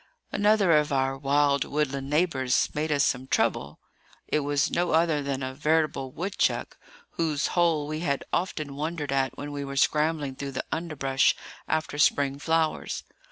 Another of our wild woodland neighbours made us some trouble. It was no other than a veritable woodchuck, whose hole we had often wondered at when we were scrambling through the underbrush after spring flowers.